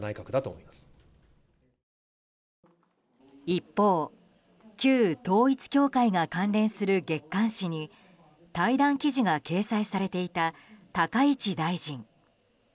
一方旧統一教会が関連する月刊誌に対談記事が掲載されていた高市大臣。